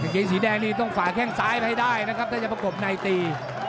เกงสีแดงนี่ต้องฝ่าแข้งซ้ายไปให้ได้นะครับถ้าจะประกบในตี